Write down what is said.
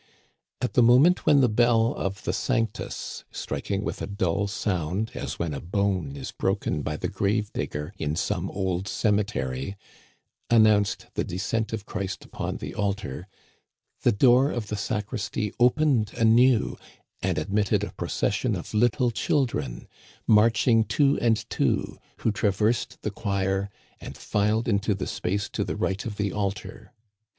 At the mo ment when the bell of the * Sanctus^ striking with a dull sound, as when a bone is broken by the grave digger in some old cemetery, announced the descent of Christ upon the altar, the door of the sacristy opened anew and admitted a procession of little children, marching two and two, who traversed the choir and filed into the space to the right of the altar.